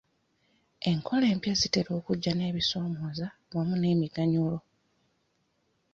Enkola empya zitera okujja n'ebisoomooza wamu n'emiganyulo.